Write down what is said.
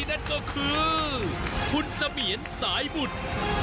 อันนี้นั่นก็คือคุณสะเบียนสายบุตร